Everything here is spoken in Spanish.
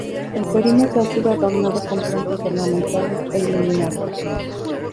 El perímetro ha sido adornado con plantas ornamentales e iluminado.